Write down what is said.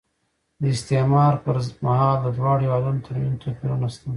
د استعمار پر مهال د دواړو هېوادونو ترمنځ توپیرونه شته.